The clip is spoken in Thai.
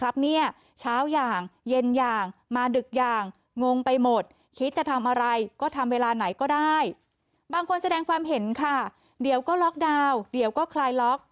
บางคนแสดงความเห็นค่ะเดี๋ยวก็ล็อกดาวน์เดี๋ยวก็คลายล็อก